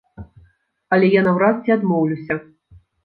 Але я наўрад ці адмоўлюся.